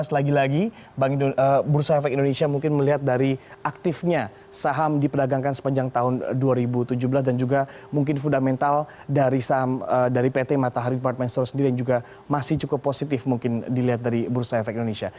lagi lagi bursa efek indonesia mungkin melihat dari aktifnya saham diperdagangkan sepanjang tahun dua ribu tujuh belas dan juga mungkin fundamental dari pt matahari department store sendiri yang juga masih cukup positif mungkin dilihat dari bursa efek indonesia